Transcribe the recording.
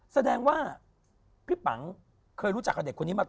แสดงว่าพี่ปังเคยรู้จักกับเด็กคนนี้มา